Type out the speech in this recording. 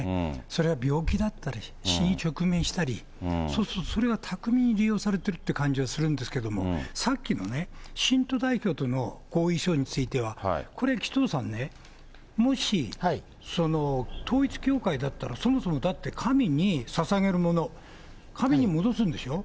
それは病気だったり、死に直面したり、そうするとそれが巧みに利用されているという感じはするんですけど、さっきのね、信徒代表との合意書については、これ、紀藤さんね、もし統一教会だったらそもそもだって、神にささげるもの、神に戻すんでしょ。